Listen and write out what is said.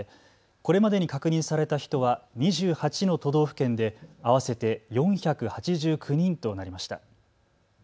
これまでに確認された人は２８の都道府県で合わせて４８９人となりました。